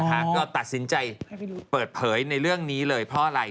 ก็ตัดสินใจเปิดเผยในเรื่องนี้เลยเพราะอะไร